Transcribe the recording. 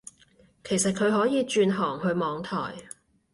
其實佢可以轉行去網台